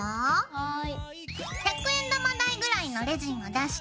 はい。